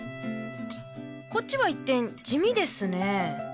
こっちは一転地味ですね。